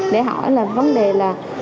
để hỏi là vấn đề là